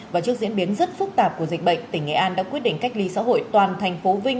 và trước diễn biến rất phức tạp của dịch bệnh tỉnh nghệ an đã quyết định cách ly xã hội toàn thành phố vinh